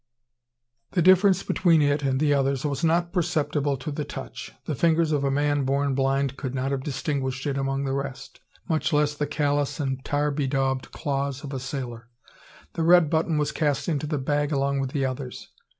The difference between it and the others was not perceptible to the touch. The fingers of a man born blind could not have distinguished it among the rest, much less the callous and tar bedaubed "claws" of a sailor. The red button was cast into the bag along with the others.